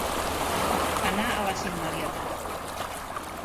Anar a les immediates.